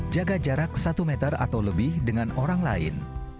jaga jarak satu meter atau lebih dengan orang lain